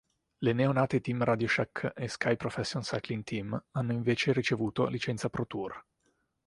Le neo-nate Team RadioShack e Sky Professional Cycling Team hanno invece ricevuto licenza ProTour.